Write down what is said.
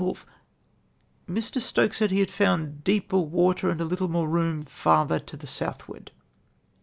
Woolfe. —" Mr. Stokes said he had found deepee water and a little more room farther to the southward."